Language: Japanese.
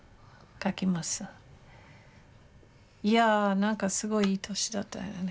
いや何かすごいいい年だったよね。